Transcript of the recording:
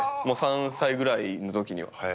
もう３歳ぐらいのときには。